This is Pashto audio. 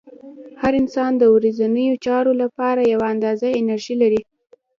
هر انسان د ورځنیو چارو لپاره یوه اندازه انرژي لري.